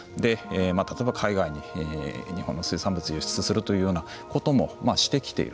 例えば海外に日本の水産物を輸出するというようなこともしてきている。